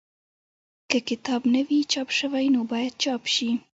که کتاب نه وي چاپ شوی نو باید چاپ شي.